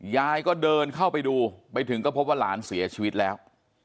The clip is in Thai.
ยายก็เดินเข้าไปดูไปถึงก็พบว่าหลานเสียชีวิตแล้ว